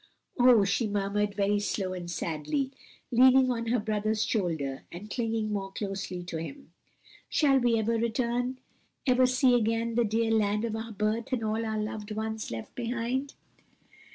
"Oh," she murmured very low and sadly, leaning on her brother's shoulder and clinging more closely to him, "shall we ever return? ever see again the dear land of our birth and all our loved ones left behind?"